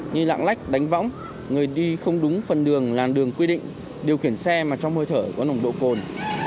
như lạng lách đánh võng người đi không đúng phần đường làn đường quy định điều khiển xe mà trong hơi thở có nồng độ cồn